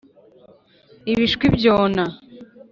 ibishwi byona